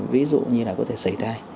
ví dụ như là có thể xảy thai